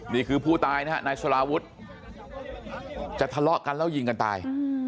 นี่คือผู้ตายนะฮะนายสลาวุฒิจะทะเลาะกันแล้วยิงกันตาย